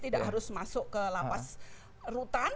tidak harus masuk ke lapas rutan